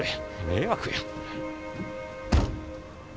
迷惑や。